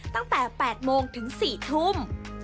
ตั้งแต่๘โมงถึง๔ทุ่ม